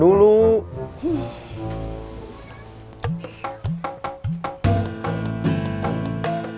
dari pengurusan general